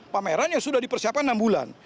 pameran yang sudah dipersiapkan enam bulan